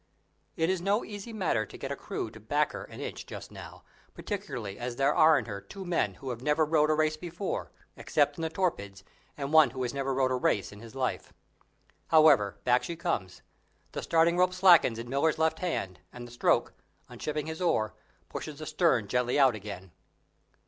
It is no easy matter to get a crew to back her an inch just now, particularly as there are in her two men who have never rowed a race before, except in the torpids, and one who has never rowed a race in his life. However, back she comes; the starting rope slackens in Miller's left hand, and the stroke, unshipping his oar, pushes the stern gently out again.